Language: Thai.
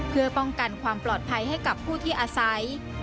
เพื่อป้องกันความปลอดภัยให้กับผู้ที่อาศัย